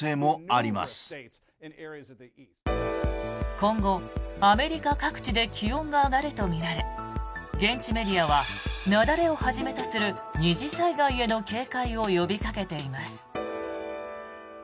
今後、アメリカ各地で気温が上がるとみられ現地メディアは雪崩をはじめとする二次災害への警戒を呼びかけています。